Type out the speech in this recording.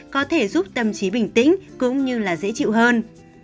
có thể giúp tâm trí bình tĩnh cũng như là dễ chịu hơn